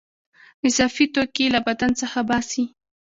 اضافي توکي له بدن څخه باسي.